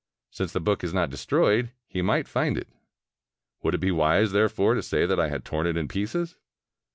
Since the book is not destroyed, he might find it. Would it be wise, therefore, to say that I had torn it in pieces?'